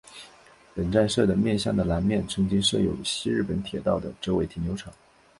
本站舍的面向的南面曾经设有西日本铁道的折尾停留场。